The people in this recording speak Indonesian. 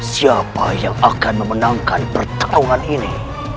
siapa yang akan memenangkan pertarungan ini